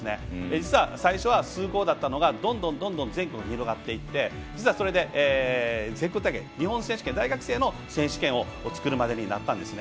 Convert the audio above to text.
実は、最初は数校だったのがどんどん全国に広がって全国大会、大学生の選手権を作るまでになったんですね。